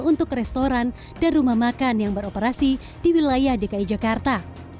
untuk restoran dan rumah makan yang beroperasi di wilayah dki jakarta